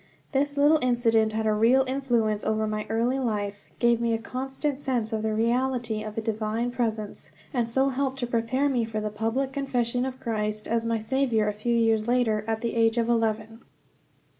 This little incident had a real influence over my early life, gave me a constant sense of the reality of a divine presence, and so helped to prepare me for the public confession of Christ as my Saviour a few years later, at the age of eleven.